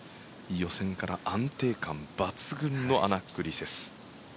予選から安定感抜群のアナックリセス。